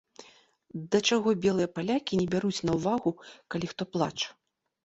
Да чаго белыя палякі не бяруць на ўвагу, калі хто плача.